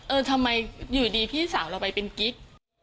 เออทำไมอยู่ดีพี่สาวเราไปเป็นกิ๊ก